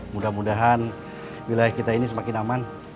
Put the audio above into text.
mudah mudahan wilayah kita ini semakin aman